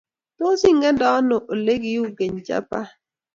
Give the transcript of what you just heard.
tos ingende ano ole kiuu keny Japan?